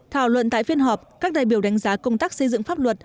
thảo luận tại phiên họp các đại biểu đánh giá công tác xây dựng pháp luật